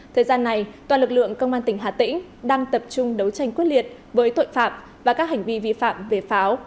thời gian này toàn lực lượng công an tỉnh hà tĩnh đang tập trung đấu tranh quyết liệt với tội phạm và các hành vi vi phạm về pháo